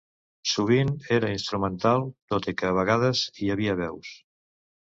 Sovint era instrumental, tot i que a vegades hi havia veus.